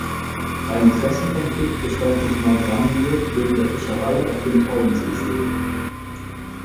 Ein Interessenkonflikt bestand mit Neubrandenburg wegen der Fischerei auf dem Tollensesee.